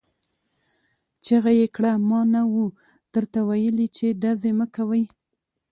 چيغه يې کړه! ما نه وو درته ويلي چې ډزې مه کوئ!